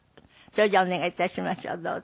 それじゃあお願い致しましょう。